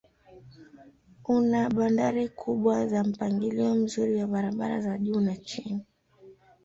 Una bandari kubwa na mpangilio mzuri wa barabara za juu na chini.